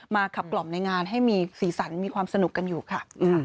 ขับกล่อมในงานให้มีสีสันมีความสนุกกันอยู่ค่ะ